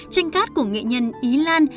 tranh cát của nghệ nhân ý lan